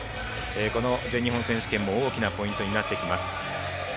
この全日本選手権も大きなポイントになってきます。